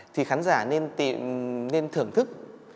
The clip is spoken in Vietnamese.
thì khán giả nên thưởng thức